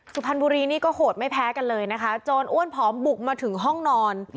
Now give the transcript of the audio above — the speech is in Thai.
สุพรรณบุรีนี่ก็โหดไม่แพ้กันเลยนะคะโจรอ้วนผอมบุกมาถึงห้องนอน